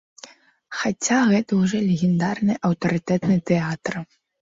Хаця гэта ўжо легендарны, аўтарытэтны тэатр.